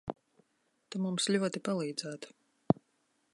Tu mums ļoti palīdzētu.